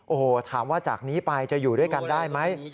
โอ้โหถามว่าจากนี้ไปจะอยู่ด้วยกันได้ไหม